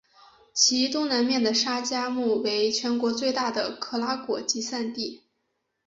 其东南面的沙加穆为全国最大的可拉果集散地。